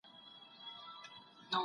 دا کتابونه د پوهانو لخوا لیکل سوي دي.